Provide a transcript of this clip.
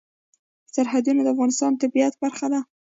سرحدونه د افغانستان د طبیعت برخه ده.